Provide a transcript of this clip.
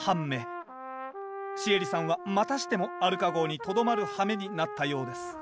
シエリさんはまたしてもアルカ号にとどまるはめになったようです。